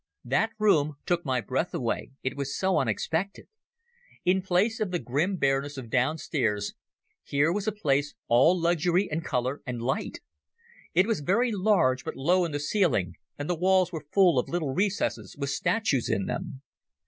That room took my breath away, it was so unexpected. In place of the grim bareness of downstairs here was a place all luxury and colour and light. It was very large, but low in the ceiling, and the walls were full of little recesses with statues in them.